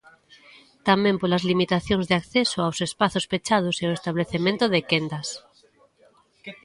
Tamén polas limitacións de acceso aos espazos pechados e o establecemento de quendas.